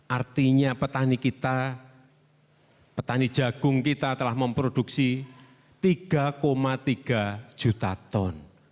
artinya petani kita petani jagung kita telah memproduksi tiga tiga juta ton